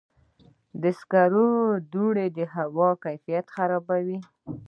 د سکرو دوړې د هوا کیفیت خرابوي.